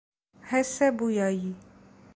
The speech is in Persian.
حس بویایی